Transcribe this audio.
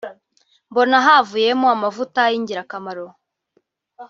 mbona havuyemo amavuta y’ingirakamaro